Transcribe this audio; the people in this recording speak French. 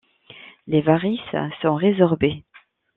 Les varices sont résorbées.